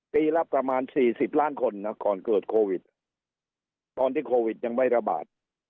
ปีละประมาณ๔๐ล้านคนนะก่อนเกิดโควิดตอนที่โควิดยังไม่ระบาด